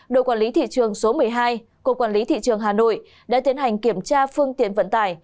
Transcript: đội quản lý thị trường số một mươi hai của quản lý thị trường hà nội đã tiến hành kiểm tra phương tiện vận tải